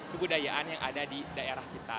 kebudayaan yang ada di daerah kita